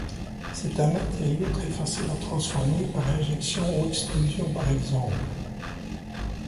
C'est un matériau très facile à transformer, par injection ou extrusion par exemple.